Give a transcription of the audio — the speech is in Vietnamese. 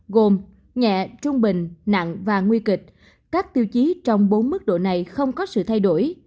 gồm nhẹ trung bình nặng và nguy kịch các tiêu chí trong bốn mức độ này không có sự thay đổi